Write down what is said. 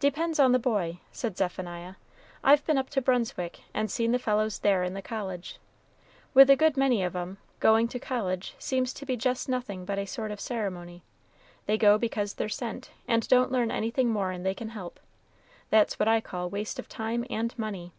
"Depends on the boy," said Zephaniah. "I've been up to Brunswick, and seen the fellows there in the college. With a good many of 'em, going to college seems to be just nothing but a sort of ceremony; they go because they're sent, and don't learn anything more'n they can help. That's what I call waste of time and money."